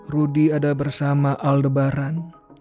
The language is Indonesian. rudy ada bersama aldebaran